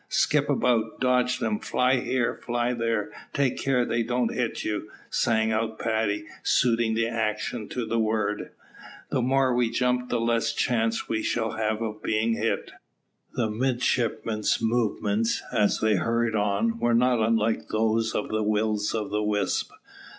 "Skip about dodge them fly here fly there; take care they don't hit you," sang out Paddy, suiting the action to the word. "The more we jump, the less chance we shall have of being hit." The midshipmen's movements, as they hurried on, were not unlike those of Wills of the Wisp.